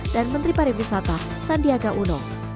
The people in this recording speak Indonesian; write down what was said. dan menteri pariwisata sandiaga uno